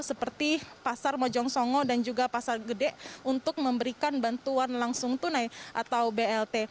seperti pasar mojong songo dan juga pasar gede untuk memberikan bantuan langsung tunai atau blt